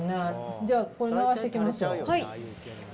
じゃあ、これ、流していきましょう。